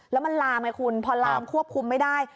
แล้วมันลามไงคุณพอลามควบคุมไม่ได้